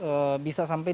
sekarang bisa sampai seribu